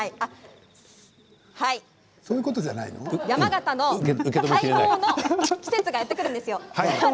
山形の待望の季節がやってくるんですよ。